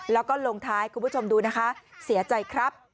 แล้วก็ลงท้ายให้คุณผู้ชมดูนะคะเสียใจครับ